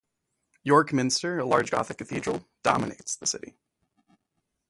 York Minster, a large Gothic cathedral, dominates the city.